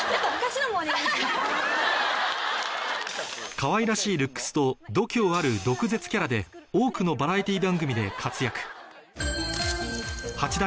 かわいらしいルックスと度胸ある毒舌キャラで多くのバラエティー番組で活躍